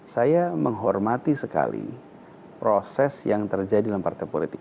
saya menghormati sekali proses yang terjadi dalam partai politik